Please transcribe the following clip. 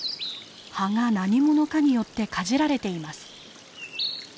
葉が何者かによってかじられています。